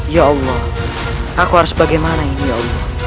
ya allah aku harus bagaimana ini ya allah